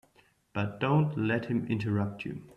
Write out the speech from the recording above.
But don't let him interrupt you.